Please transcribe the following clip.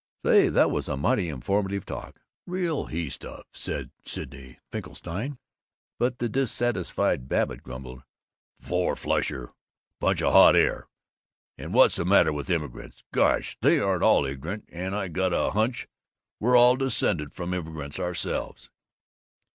"Say, that was a mighty informative talk. Real he stuff," said Sidney Finkelstein. But the disaffected Babbitt grumbled, "Four flusher! Bunch of hot air! And what's the matter with the immigrants? Gosh, they aren't all ignorant, and I got a hunch we're all descended from immigrants ourselves."